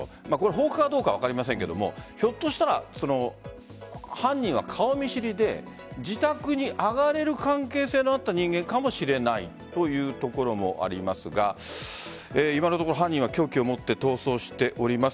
放火かどうかは分かりませんがひょっとしたら犯人は顔見知りで自宅に上がれる関係性のあった人間かもしれないというところもありますが今のところ犯人は凶器を持って逃走しております。